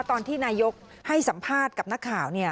ตอนที่นายกรัฐมนตรีให้สัมภาษณ์กับนักข่าว